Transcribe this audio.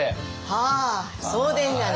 はあそうでんがな。